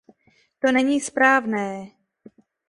To není správné.